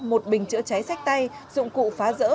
một bình chữa cháy sách tay dụng cụ phá rỡ